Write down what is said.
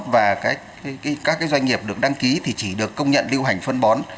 và các doanh nghiệp được đăng ký thì chỉ được công nhận lưu hành phân bó